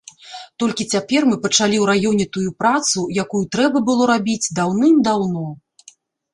Толькі цяпер мы пачалі ў раёне тую працу, якую трэба было рабіць даўным-даўно.